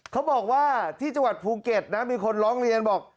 เขาบอกว่าที่จังหวัดภูเก็ตนะมีคนร้องเรียนบอก